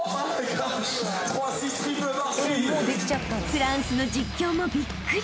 ［フランスの実況もびっくり］